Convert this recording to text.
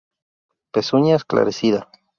Pezuña esclarecida.